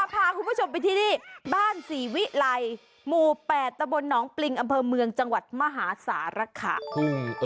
พาคุณผู้ชมไปที่นี่บ้านศรีวิลัยหมู่๘ตะบลหนองปริงอำเภอเมืองจังหวัดมหาสารคาม